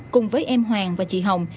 cùng với em hoàng và chị hồng